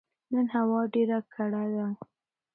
نن هوا ډيره کړه ده